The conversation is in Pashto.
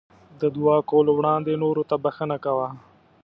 د دعا کولو وړاندې نورو ته بښنه کوه.